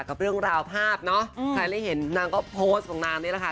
กับเรื่องราวภาพเนาะใครได้เห็นนางก็โพสต์ของนางนี่แหละค่ะ